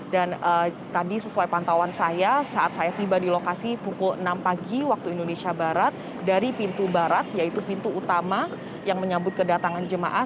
dan tadi sesuai pantauan saya saat saya tiba di lokasi pukul enam pagi waktu indonesia barat dari pintu barat yaitu pintu utama yang menyebut kedatangan jemaah